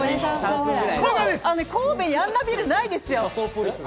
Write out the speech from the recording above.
神戸にあんなビルないですよ！